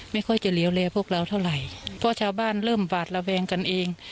ไม่ค่อยจะเหลวแลพวกเราเท่าไหร่เพราะชาวบ้านเริ่มหวาดระแวงกันเอง